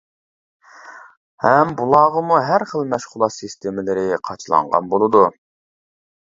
ھەم بۇلارغىمۇ ھەر خىل مەشغۇلات سىستېمىلىرى قاچىلانغان بولىدۇ.